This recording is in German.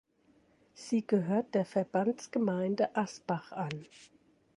Sie gehört der Verbandsgemeinde Asbach an.